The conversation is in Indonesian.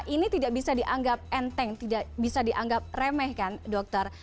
ini tidak bisa dianggap enteng tidak bisa dianggap remeh kan dokter